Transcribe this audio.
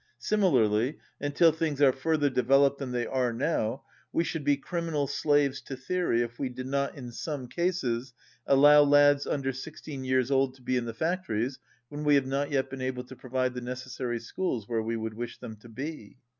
Similarly, until things are further developed than they are now, we should be criminal slaves to theory if we did not, in some cases, allow lads under sixteen years old to be in the factories when we have not yet been able to provide the necessary schools where we would wish them to be.